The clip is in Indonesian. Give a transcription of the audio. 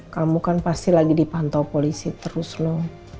kamu kan pasti lagi dipantau polisi terus loh